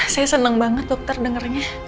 saya senang banget dokter dengarnya